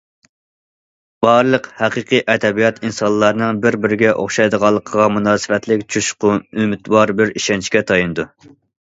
بارلىق ھەقىقىي ئەدەبىيات ئىنسانلارنىڭ بىر- بىرىگە ئوخشايدىغانلىقىغا مۇناسىۋەتلىك جۇشقۇن، ئۈمىدۋار بىر ئىشەنچكە تايىنىدۇ.